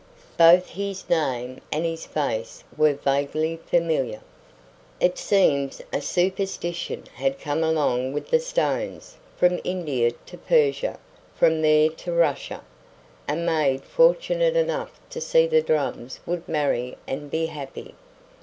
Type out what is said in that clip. Both his name and his face were vaguely familiar. It seems a superstition had come along with the stones, from India to Persia, from there to Russia. A maid fortunate enough to see the drums would marry and be happy.